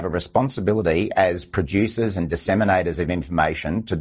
mereka memiliki tanggung jawab sebagai produsen dan pemerintah